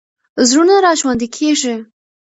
زړونه راژوندي کېږي.